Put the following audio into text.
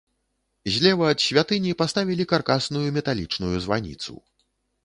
Злева ад святыні паставілі каркасную металічную званіцу.